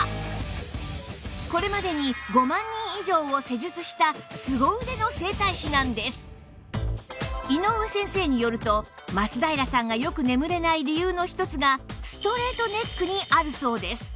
これまでに井上先生によると松平さんがよく眠れない理由の一つがストレートネックにあるそうです